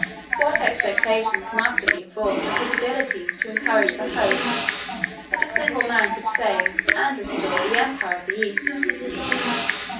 What expectations must have been formed of his abilities to encourage the hope, that a single man could save, and restore, the empire of the East!